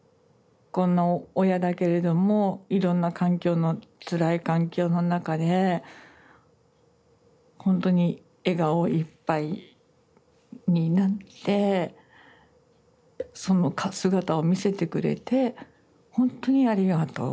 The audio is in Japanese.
こんな親だけれどもいろんな環境のつらい環境の中でほんとに笑顔いっぱいになってその姿を見せてくれてほんとにありがとう。